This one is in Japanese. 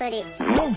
うん。